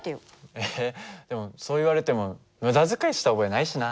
えっでもそう言われても無駄遣いした覚えないしな。